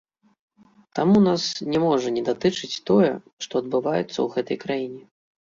Таму нас не можа не датычыць тое, што адбываецца ў гэтай краіне.